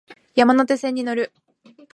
山手線に乗る